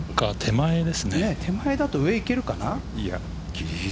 手前だと上行けるかな。